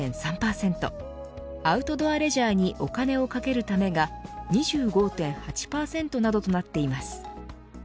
アウトドア・レジャーにお金をかけるためが２５．８％などとなっています。